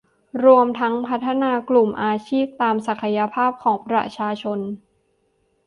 รวมทั้งพัฒนากลุ่มอาชีพตามศักยภาพของประชาชน